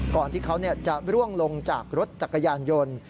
ก่อนที่เขาจะร่วงลงจากรถจักรยานยนต์